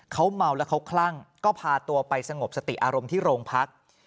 เขาเมาแล้วเขาคลั่งก็พาตัวไปสงบสติอารมณ์ที่โรงพัก